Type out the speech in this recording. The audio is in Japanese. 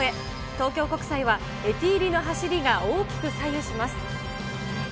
東京国際はエティーリの走りが大きく左右します。